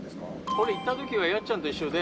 「俺行った時はやっちゃんと一緒で」